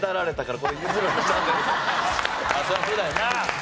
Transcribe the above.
そりゃそうだよな。